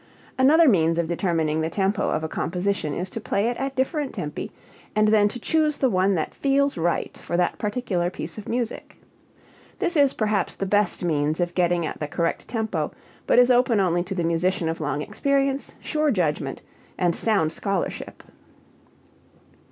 Another means of determining the tempo of a composition is to play it at different tempi and then to choose the one that "feels right" for that particular piece of music. This is perhaps the best means of getting at the correct tempo but is open only to the musician of long experience, sure judgment, and sound scholarship.